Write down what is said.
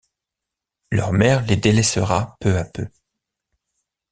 Leur mère les délaissera peu à peu.